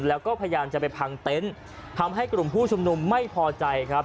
แล้วก็พยายามจะไปพังเต็นต์ทำให้กลุ่มผู้ชุมนุมไม่พอใจครับ